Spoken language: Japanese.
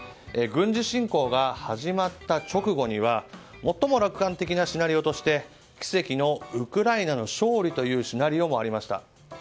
軍事侵攻が始まった直後には最も楽観的なシナリオとして奇跡のウクライナの勝利というシナリオもありました。